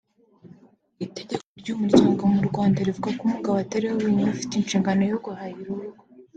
Itegeko ry’ umuryango mu Rwanda rivuga ko umugabo atari we wenyine ufite inshingano yo guhahira urugo